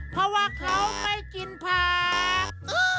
เพราะว่าเขาไม่กินผัก